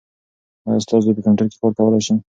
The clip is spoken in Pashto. ایا ستا زوی په کمپیوټر کې کار کولای شي؟